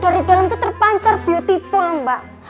dari dalam itu terpancar beautiful mbak